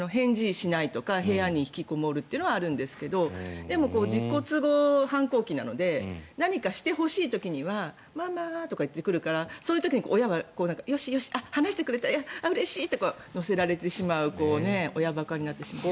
返事しないとか部屋に引きこもるのはあるんですが自己都合反抗期なので何かしてほしい時にはママとか言ってくるからそういう時に親は、話してくれたうれしいって乗せられてしまう親バカになってしまう。